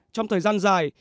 trong thời gian dài